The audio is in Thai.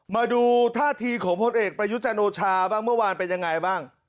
มาดูท่าทีของพลเอกประยุจันโอชาบ้างเมื่อวานเป็นยังไงบ้าง